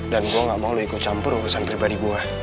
dan gue gak mau lo ikut campur urusan pribadi gue